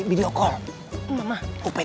jangan sampai papa lihat